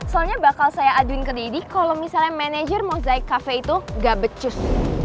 soalnya bakal saya aduin ke dede kalau misalnya manajer mosaik kafe itu gak becus